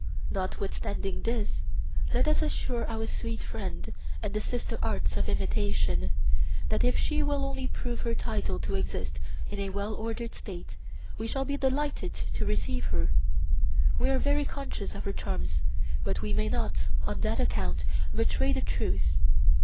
Notwithstanding this, let us assure our sweet friend and the sister arts of imitation, that if she will only prove her title to exist in a well ordered State we shall be delighted to receive her—we are very conscious of her charms; but we may not on that account betray the truth.